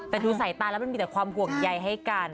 แต่ดูสายตาแล้วมันมีแต่ความห่วงใยให้กัน